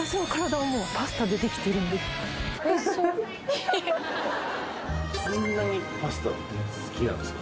そんなにパスタが好きなんですか？